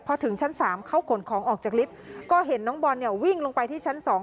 พอถึงชั้น๓เขาขนของออกจากลิฟต์ก็เห็นน้องบอลเนี่ยวิ่งลงไปที่ชั้น๒